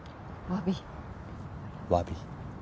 わび。